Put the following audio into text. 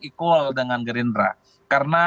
equal dengan gerinda karena